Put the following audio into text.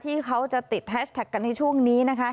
ที่เขาจะติดแฮชแท็กกันในช่วงนี้นะคะ